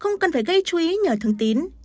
không cần phải gây chú ý nhờ thương tín